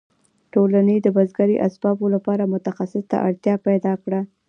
ټولنې د بزګرۍ اسبابو لپاره متخصص ته اړتیا پیدا کړه.